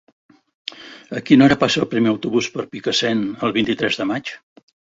A quina hora passa el primer autobús per Picassent el vint-i-tres de maig?